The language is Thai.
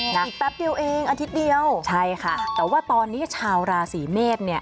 อีกแป๊บเดียวเองอาทิตย์เดียวใช่ค่ะแต่ว่าตอนนี้ชาวราศีเมษเนี่ย